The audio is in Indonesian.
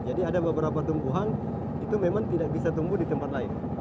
jadi ada beberapa tumbuhan itu memang tidak bisa tumbuh di tempat lain